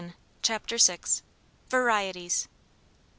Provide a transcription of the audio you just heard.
CHAPTER VI. VARIETIES.